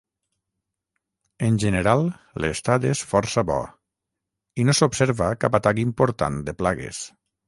En general, l'estat és força bo i no s'observa cap atac important de plagues.